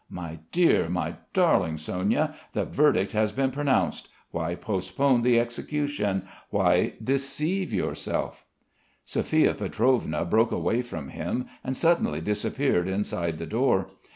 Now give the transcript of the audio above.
My dear, my darling Sonia, the verdict has been pronounced. Why postpone the execution? Why deceive yourself?" Sophia Pietrovna broke away from him and suddenly disappeared inside the door.